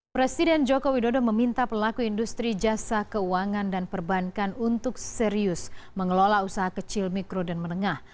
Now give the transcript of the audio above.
presiden joko widodo meminta pelaku industri jasa keuangan dan perbankan untuk serius mengelola usaha kecil mikro dan menengah